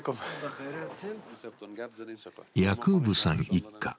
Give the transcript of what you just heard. ヤクーブさん一家。